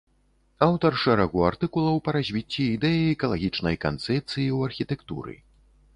Аўтар шэрагу артыкулаў па развіцці ідэі экалагічнай канцэпцыі ў архітэктуры.